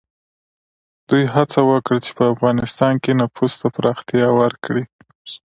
دوی هڅه وکړه چې په افغانستان کې نفوذ ته پراختیا ورکړي.